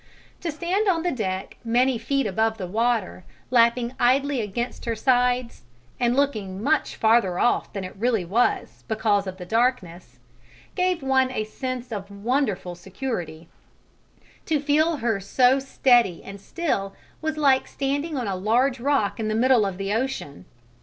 To stand on the deck many feet above the water lapping idly against her sides, and looking much farther off than it really was because of the darkness, gave one a sense of wonderful security: to feel her so steady and still was like standing on a large rock in the middle of the ocean.